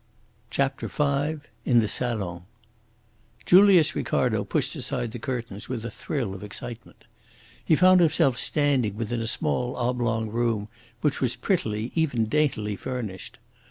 CHAPTER V IN THE SALON Julius Ricardo pushed aside the curtains with a thrill of excitement. He found himself standing within a small oblong room which was prettily, even daintily, furnished.